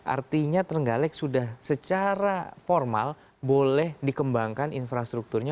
artinya terenggalek sudah secara formal boleh dikembangkan infrastrukturnya